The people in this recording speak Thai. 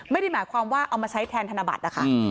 ไม่ได้หมายความว่าเอามาใช้แทนธนบัตรนะคะ